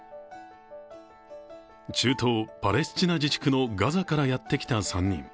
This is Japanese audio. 中東パレスチナ自治区のガザからやってきた３人。